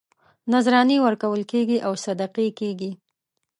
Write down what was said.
نذرانې ورکول کېږي او صدقې کېږي.